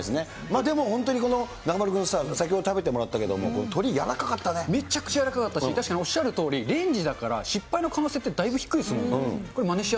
でも本当に中丸君さ、先ほど食べてもらったけど、めちゃくちゃ柔らかかったし、確かにおっしゃるとおり、レンジで作るから失敗の可能性ってだいぶ低いですもんね。